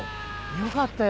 よかったよ。